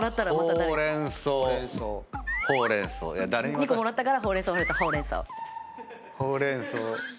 ２個もらったからほうれん草ほうれん草ほうれん草。